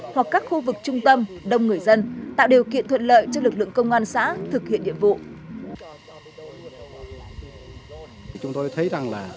hoặc các khu vực trung tâm đông người dân